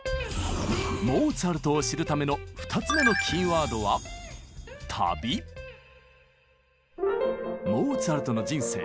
モーツァルトを知るための２つ目のキーワードはモーツァルトの人生。